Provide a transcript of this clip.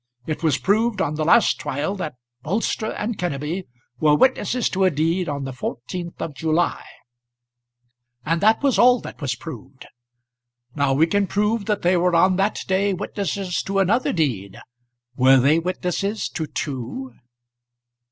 It was proved on the last trial that Bolster and Kenneby were witnesses to a deed on the 14th of July, and that was all that was proved. Now we can prove that they were on that day witnesses to another deed. Were they witnesses to two?"